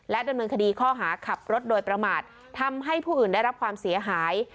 ดำเนินคดีข้อหาขับรถโดยประมาททำให้ผู้อื่นได้รับความเสียหาย